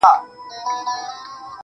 نجلۍ يوازې پرېښودل کيږي او درد لا هم شته,